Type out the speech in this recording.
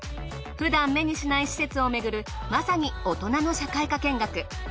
普段目にしない施設をめぐるまさに大人の社会科見学。